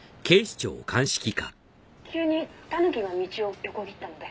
「急にタヌキが道を横切ったので」